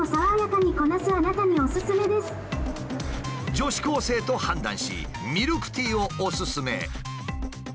女子高生と判断しミルクティーをおススメ。